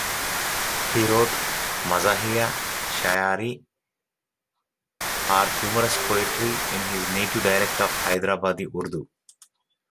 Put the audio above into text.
He wrote "mazahiya shayari" or humorous poetry in his native dialect of Hyderabadi Urdu.